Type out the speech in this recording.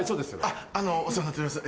あのお世話になっております